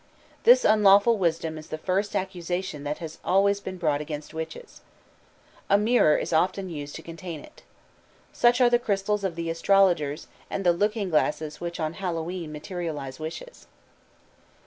This unlawful wisdom is the first accusation that has always been brought against witches. A mirror is often used to contain it. Such are the crystals of the astrologers, and the looking glasses which on Hallowe'en materialize wishes.